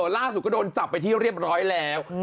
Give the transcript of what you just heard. ล่าสุดก็โดนจับไปที่เรียบร้อยแล้ว